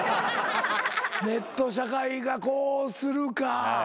ネット社会がこうするか。